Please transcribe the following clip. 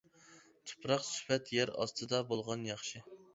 تۇپراق سۈپەت يەر ئاستىدا بولغان ياخشى.